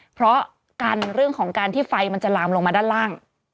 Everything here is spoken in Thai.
เพราะกันเรื่องของการที่ไฟมันจะลามลงมาด้านล่าง